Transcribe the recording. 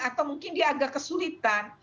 atau mungkin dia agak kesulitan